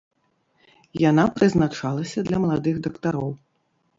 Яна прызначалася для маладых дактароў.